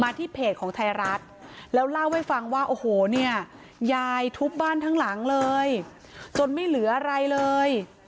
ที่เพจของไทยรัฐแล้วเล่าให้ฟังว่าโอ้โหเนี่ยยายทุบบ้านทั้งหลังเลยจนไม่เหลืออะไรเลย